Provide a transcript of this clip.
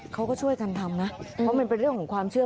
เขาก็ช่วยกันทำนะเพราะมันเป็นเรื่องของความเชื่อ